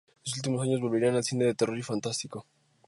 En sus últimos años volvería al cine de terror y fantástico.